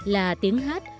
là tiếng hát